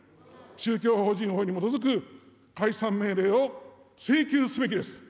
宗教法人法に基づく解散命令を請求すべきです。